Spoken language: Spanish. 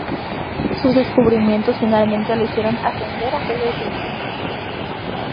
Sus descubrimientos finalmente lo hicieron ascender a Jefe Científico.